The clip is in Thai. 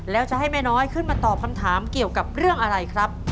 แล้วจะให้แม่น้อยขึ้นมาตอบคำถามเกี่ยวกับเรื่องอะไรครับ